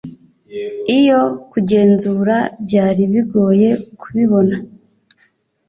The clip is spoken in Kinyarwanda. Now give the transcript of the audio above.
iyo kugenzura byari bigoye kubibona